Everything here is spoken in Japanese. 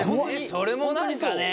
それも何かね？